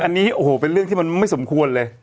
อันนี้เป็นเรื่องที่ไม่สมควรเลย